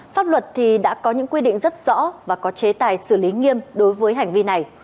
pháp luật thì đã có những quy định rất rõ và có chế tài xử lý nghiêm đối với hành vi này